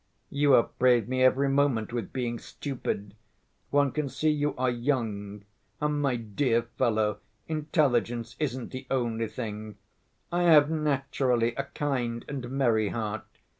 You upbraid me every moment with being stupid. One can see you are young. My dear fellow, intelligence isn't the only thing! I have naturally a kind and merry heart.